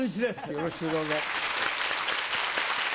よろしくどうぞ。